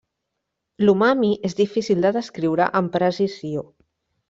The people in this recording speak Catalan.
L'umami és difícil de descriure amb precisió.